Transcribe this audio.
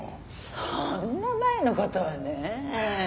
そんな前のことはね。